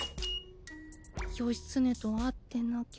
義経とあってなきゃ。